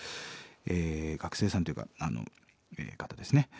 え学生さんっていうか方ですね。